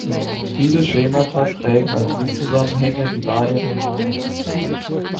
Diese Schemata prägen als Sinnzusammenhänge die Wahrnehmung vor.